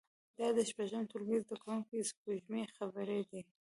دا د شپږم ټولګي د زده کوونکې سپوږمۍ خبرې دي